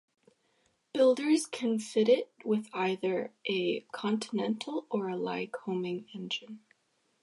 Builders can fit it with either a Continental or a Lycoming engine.